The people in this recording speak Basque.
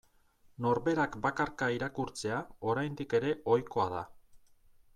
Norberak bakarka irakurtzea oraindik ere ohikoa da.